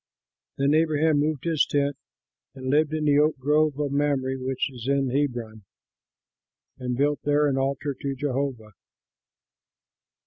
Then Abraham moved his tent and lived in the oak grove of Mamre, which is in Hebron, and built there an altar to Jehovah.